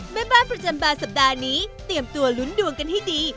แม่บ้านประจำบานสัปดาห์นี้เตรียมตัวลุ้นดวงกันให้ดี